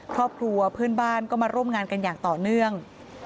ครอบครัวเพื่อนบ้านก็มาร่วมงานกันอย่างต่อเนื่อง